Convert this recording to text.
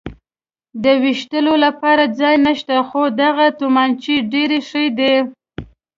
د وېشتلو لپاره ځای نشته، خو دغه تومانچې ډېرې ښې دي.